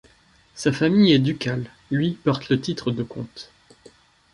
Sa famille est ducale, lui porte le titre de comte.